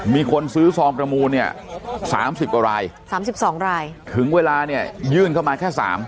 มีคนซื้อซองประมูลเนี่ย๓๐กว่ารายสามสิบสองรายถึงเวลาเนี่ยยื่นเข้ามาแค่สาม